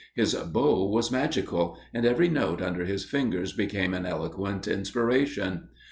His bow was magical; and every note under his fingers became an eloquent inspiration.